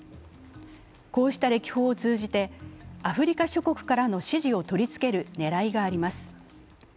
こうした歴訪を通じてアフリカ諸国からの支持を取り付ける狙いがあります。